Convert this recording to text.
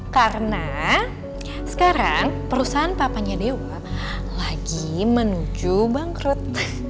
karena sekarang perusahaan papanya dewa lagi menuju bangkrut